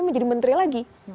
menjadi menteri lagi